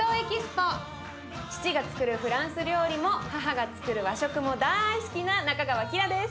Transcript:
父がつくるフランス料理も母がつくる和食も大好きな仲川希良です。